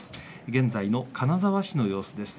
現在の金沢市の様子です。